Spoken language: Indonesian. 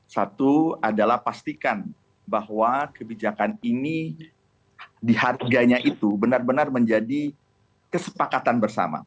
satu adalah pastikan bahwa kebijakan ini di harganya itu benar benar menjadi kesepakatan bersama